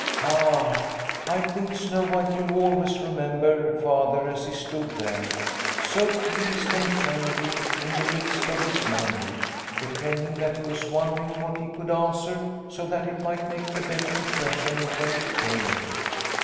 " Ah, I think Snow White will always re member Father as he stood there, so pleased and friendly in the midst of his men, pretending that he was wondering what he could answer so that it might make the better impression when it came.